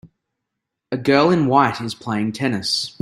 A girl in white is playing tennis.